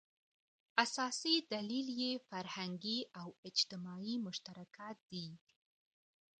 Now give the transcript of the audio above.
اساسي دلیل یې فرهنګي او اجتماعي مشترکات دي.